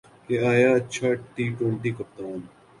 کہ آیا اچھا ٹی ٹؤنٹی کپتان